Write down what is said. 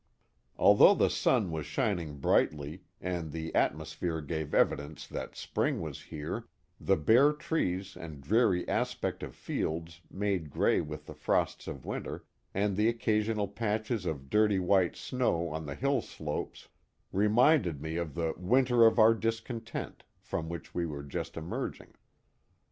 Although the sun was shining brightly, and the atmos phere gave evidence that spring was here, the bare trees and dreary aspect of fields, made gray with the frosts of winter, and the occasional patches of dirty white snow on the "hill slopes, reminded me of the " winter of our discontent," from which we were just emerging.